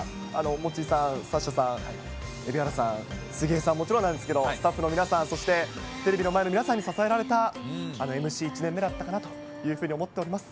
モッチーさん、サッシャさん、蛯原さん、杉江さんはもちろんなんですけど、スタッフの皆さん、そしてテレビの前の皆さんに支えられたＭＣ１年目だったかなと思っております。